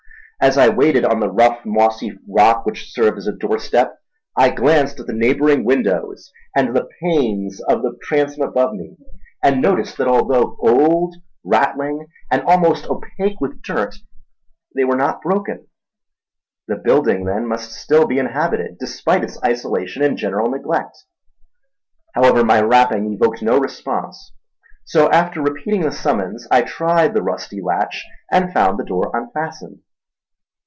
As I waited on the rough, mossy rock which served as a doorstep, I glanced at the neighbouring windows and the panes of the transom above me, and noticed that although old, rattling, and almost opaque with dirt, they were not broken. The building, then, must still be inhabited, despite its isolation and general neglect. However, my rapping evoked no response, so after repeating the summons I tried the rusty latch and found the door unfastened.